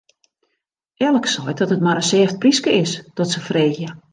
Elk seit dat it mar in sêft pryske is, dat se freegje.